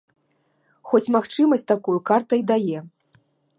Хоць магчымасць такую карта і дае.